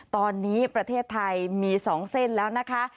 ตอนนี้ประเทศไทยมี๒เส้นแล้วนะคะ